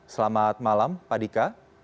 selamat malam pak dika